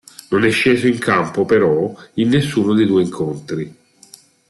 Non è sceso in campo, però, in nessuno dei due incontri.